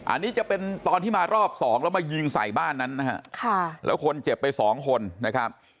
อันนี้จะเป็นตอนที่มารอบสองแล้วมายิงใส่บ้านนั้นนะฮะแล้วคนเจ็บไปสองคนนะครับ